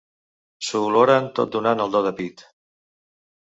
S'ho oloren tot donant el do de pit.